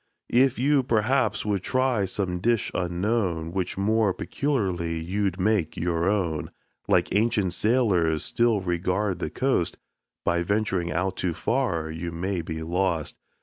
If you, perhaps, would try some dish unknown, Which more peculiarly you'd make your own, Like ancient sailors, still regard the coast, By venturing out too far you may be lost.